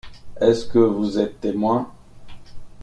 Est-ce que vous êtes témoin?